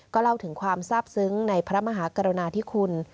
เล่าถึงความทราบซึ้งในพระมหากรุณาธิคุณ